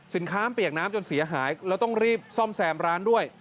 ค้าเปียกน้ำจนเสียหายแล้วต้องรีบซ่อมแซมร้านด้วย